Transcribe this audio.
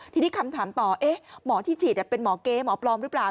ทีนี้คำถามต่อหมอที่ฉีดเป็นหมอเก๊หมอปลอมหรือเปล่า